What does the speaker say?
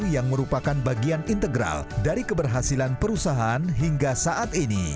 yang merupakan bagian integral dari keberhasilan perusahaan hingga saat ini